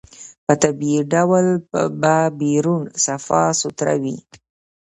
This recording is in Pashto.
په طبيعي ډول به بيرون صفا سوتره وي.